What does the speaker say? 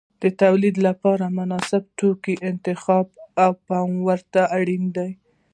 د تولید لپاره د مناسبو توکو په انتخاب کې پام ورته اړین دی.